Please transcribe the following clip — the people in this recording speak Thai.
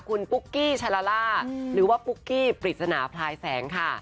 คุณปุ๊กกี้ชาลาล่าหรือว่าปุ๊กกี้ปริศนาพลายแสงค่ะ